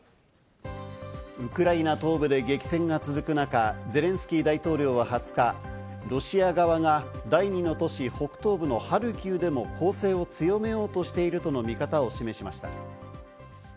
ウクライナ東部で激戦が続く中、ゼレンスキー大統領は２０日、ロシア側が第２の都市、北東部のハルキウでも攻勢を強めようとしているとの見方を示しました。